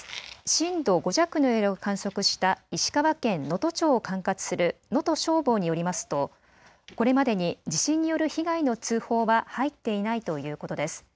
震度５弱の揺れを観測した石川県能登町を管轄する能登消防によりますとこれまでに地震による被害の通報は入っていないということです。